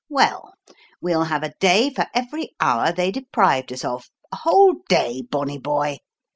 "Well, we'll have a day for every hour they deprived us of, a whole day, bonny boy.